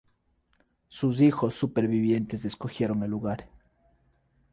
Sus hijos supervivientes escogieron el lugar.